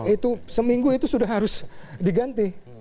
itu seminggu itu sudah harus diganti